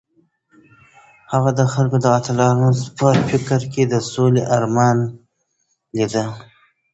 هغه د خپلو اتلانو په فکر کې د سولې ارمان لیده.